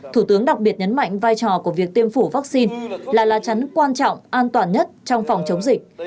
thủ tướng đặc biệt nhấn mạnh vai trò của việc tiêm phủ vaccine là lá chắn quan trọng an toàn nhất trong phòng chống dịch